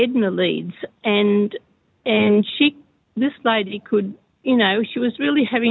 kita memiliki dua kumpulan